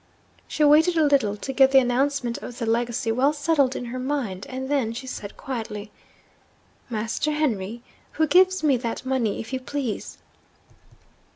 She waited a little to get the announcement of the legacy well settled in her mind and then she said quietly, 'Master Henry, who gives me that money, if you please?'